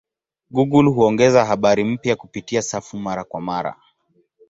Google huongeza habari mpya kupitia safu mara kwa mara.